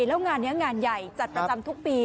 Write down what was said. และงานนี้มีทุกอย่างใหญ่จัดประจำทุกปี